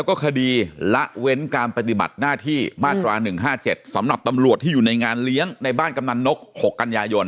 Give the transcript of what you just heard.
แล้วก็คดีละเว้นการปฏิบัติหน้าที่มาตรา๑๕๗สำหรับตำรวจที่อยู่ในงานเลี้ยงในบ้านกำนันนก๖กันยายน